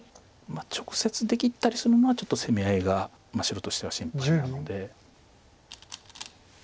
直接出切ったりするのはちょっと攻め合いが白としては心配なので。